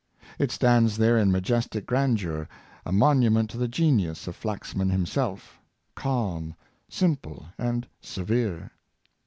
It stands there in majestic grandeur, a monument to the genius of Flaxman himself— calm^ simple, and severe.